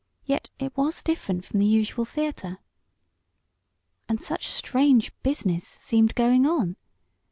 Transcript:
Yet it was different from the usual theatre. And such strange "business" seemed going on.